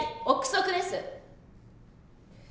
臆測です。